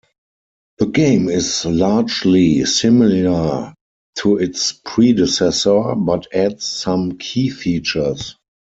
The game is largely similar to its predecessor, but adds some key features.